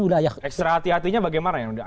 budaya ekstra hati hatinya bagaimana ya